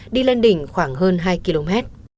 đi lên đỉnh khoảng hơn hai km